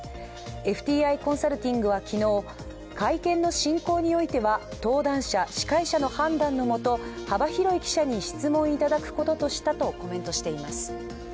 ＦＴＩコンサルティングは昨日、会見の進行においては登壇者、司会者の判断のもと幅広い記者に質問いただくこととしたとコメントしています